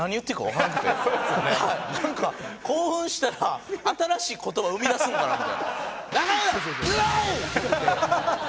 なんか興奮したら新しい言葉生み出すんかなみたいな。